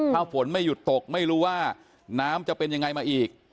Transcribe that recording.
ถ้าฝนไม่หยุดตกไม่รู้ว่าน้ำจะเป็นยังไงมาอีก